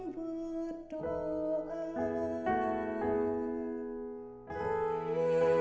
kulih hatimu berdiri